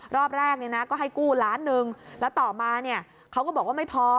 รอบแรกก็ให้กู้๑ล้านบาทแล้วต่อมาเขาก็บอกว่าไม่พอ